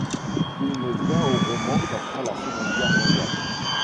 Il ne vient au roman qu'après la Seconde Guerre mondiale.